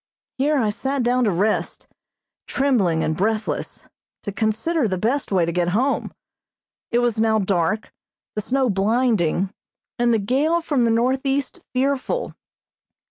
Here I sat down to rest, trembling and breathless, to consider the best way to get home. It was now dark, the snow blinding, and the gale from the northeast fearful.